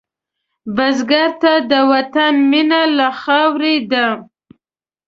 بزګر ته د وطن مینه له خاورې ده